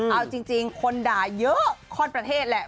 เอาจริงคนด่าเยอะข้อนประเทศแหละ